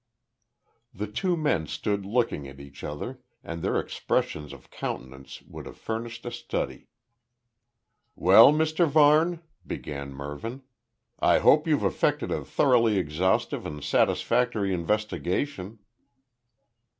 The two men stood looking at each other, and their expressions of countenance would have furnished a study. "Well, Mr Varne?" began Mervyn: "I hope you've effected a thoroughly exhaustive and satisfactory investigation."